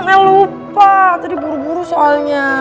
karena lupa tadi buru buru soalnya